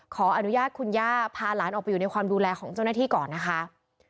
ขออนุญาตคุณย่าพาหลานออกไปอยู่ในความดูแลของเจ้าหน้าที่ก่อนนะคะ